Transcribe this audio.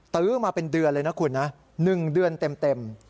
ื้อมาเป็นเดือนเลยนะคุณนะ๑เดือนเต็ม